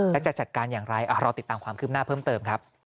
และจะจัดการอย่างไรรอติดตามความคืบหน้าเพิ่มเติมครับ